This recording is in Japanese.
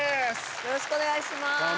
よろしくお願いします